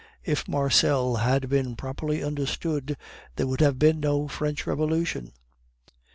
If Marcel had been properly understood, there would have been no French Revolution."